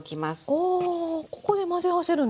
おここで混ぜ合わせるんですか？